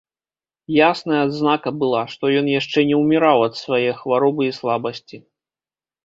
Ясная адзнака была, што ён яшчэ не ўміраў ад свае хваробы і слабасці.